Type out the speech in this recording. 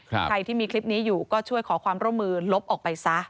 ใครที่มีคลิปนี้อยู่ก็ช่วยขอความร่วมมือลบออกไปซะ